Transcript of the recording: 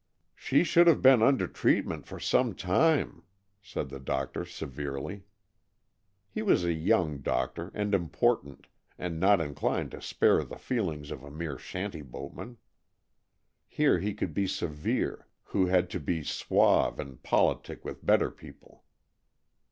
"She should have been under treatment for some time," said the doctor severely. He was a young doctor, and important, and not inclined to spare the feelings of a mere shanty boatman. Here he could be severe, who had to be suave and politic with better people.